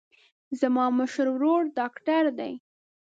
زما مشر ورور ډاکتر دی.